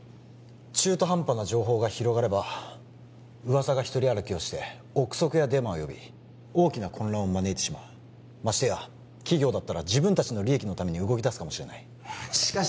中途半端な情報が広がれば噂が独り歩きをして臆測やデマを呼び大きな混乱を招いてしまうましてや企業だったら自分達の利益のために動きだすかもしれないしかし